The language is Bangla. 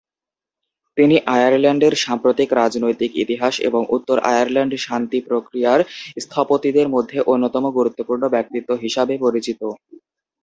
তিনি আয়ারল্যান্ডের সাম্প্রতিক রাজনৈতিক ইতিহাস এবং উত্তর আয়ারল্যান্ড শান্তি প্রক্রিয়ার স্থপতিদের মধ্যে অন্যতম গুরুত্বপূর্ণ ব্যক্তিত্ব হিসাবে পরিচিত।